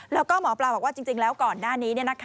แล้วก็หมอปลาบอกว่าจริงแล้วก่อนหน้านี้